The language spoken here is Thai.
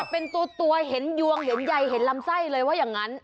เป็นตัวเห็นยวงเห็นใยเห็นลำไส้เลยว่าอย่างนั้น